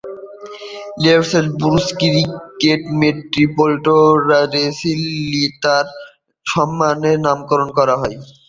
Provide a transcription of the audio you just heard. রোসেলের Bush-cricket "মেট্রিওপটেরা রোসেলি" তাঁর সম্মানে নামকরণ করা হয়।